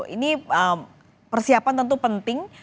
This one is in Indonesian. ini persiapan tentu penting